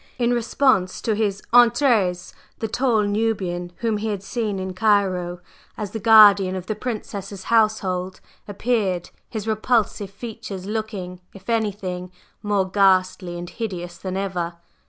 In response to his "Entrez!" the tall Nubian, whom he had seen in Cairo as the guardian of the Princess's household, appeared, his repulsive features looking, if anything, more ghastly and hideous than ever.